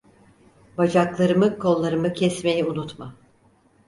Bacaklarımı, kollarımı kesmeyi unutma…